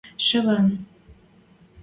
– Шӹлӹн...